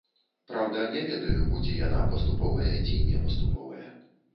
Праўда, не ведаю, будзе яна паступовая ці не паступовая.